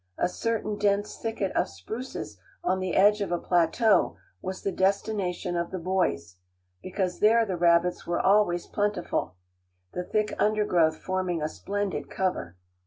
A certain dense thicket of spruces on the edge of a plateau was the destination of the boys, because there the rabbits were always plentiful, the thick undergrowth forming a splendid cover.